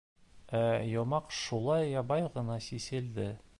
Ә йомаҡ шулай ябай ғына сиселде.